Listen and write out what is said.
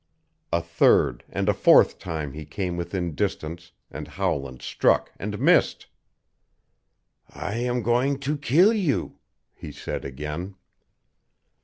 A third and a fourth time he came within distance and Howland struck and missed. "I am going to kill you," he said again.